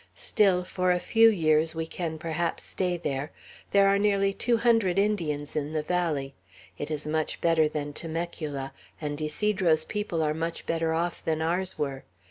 Still, for a few years we can perhaps stay there. There are nearly two hundred Indians in the valley; it is much better than Temecula, and Ysidro's people are much better off than ours were.